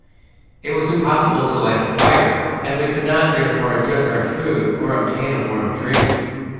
It was impossible to light a fire, and we could not therefore dress our food or obtain a warm drink.